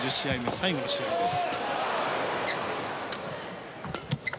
最後の試合です。